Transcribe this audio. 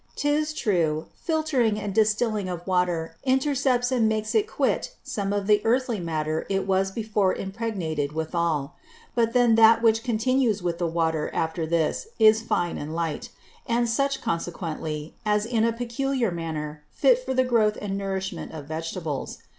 'Tis true, filtering and distilling of Water intercepts and makes it quit some of the Earthy Matter it was before impregnated withal: But then that which continues with the Water after this, is fine and light; and such consequently, as is in a peculiar manner fit for the Growth and Nourishment of Vegetables.